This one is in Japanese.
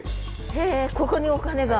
へえここにお金が？